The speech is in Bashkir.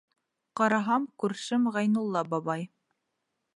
Ҡараһам, күршем Ғәйнулла бабай.